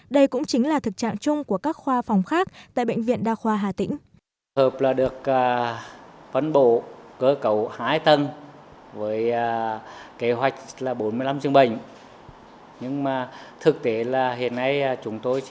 đây cũng chính là thực trạng chung của các khoa phòng khác tại bệnh viện đa khoa hà tĩnh